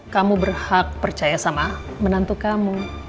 kamu berhak percaya sama menantu kamu